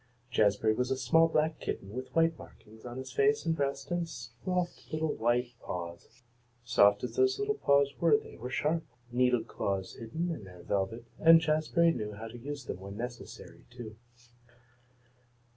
Jazbury was a small black kitten with white markings on his face and breast, and soft little white paws. Soft as those little paws were there were sharp, needle claws hidden in their velvet, and Jazbury knew how to use them when necessary, too.